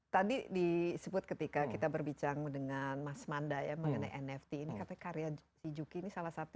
tersebut ketika kita berbicara dengan mas manda ya mengenai nfc ini karena karya juki ini salah satu